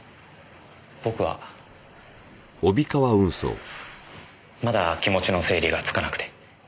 僕はまだ気持ちの整理がつかなくて。